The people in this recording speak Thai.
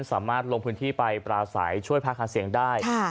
สามารถลงพื้นที่ไปปราศัยช่วยภาคหาเสียงได้